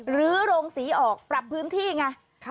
หรือโรงสีออกปรับพื้นที่ไง